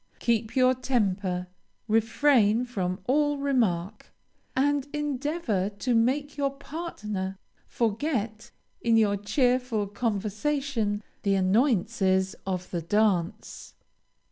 Keep your temper, refrain from all remark, and endeavor to make your partner forget, in your cheerful conversation, the annoyances of the dance.